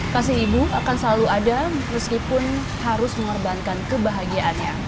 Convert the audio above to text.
kasih ibu akan selalu ada meskipun harus mengorbankan kebahagiaannya